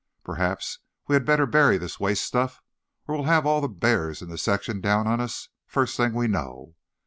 Perhaps we had better bury this waste stuff, or we'll have all the bears in the section down on us first thing we know.